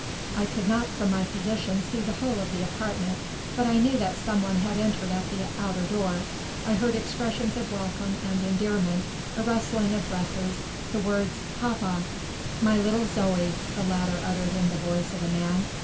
I could not, from my position, see the whole of the apartment; but I knew that someone had entered at the outer door, I heard expressions of welcome and endearment, a rustling of dresses, the words "Papa!" "My little Zoe"; the latter uttered in the voice of a man.